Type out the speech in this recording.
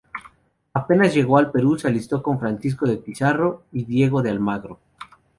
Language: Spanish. Apenas llegó al Perú se alistó con Francisco de Pizarro y Diego de Almagro.